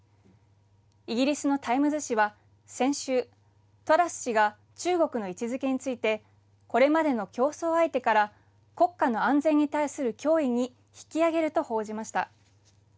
イギリスのタイムズ紙は先週、トラス氏が中国の位置づけについてこれまでの競争相手から国家の安全に対する脅威に引き上げると報じました。